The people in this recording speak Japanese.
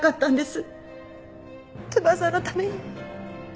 翼のためにも。